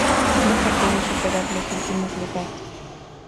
Nunca pudo superar los últimos lugares.